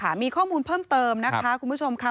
มีข้อมูลเพิ่มเติมนะคะคุณผู้ชมค่ะ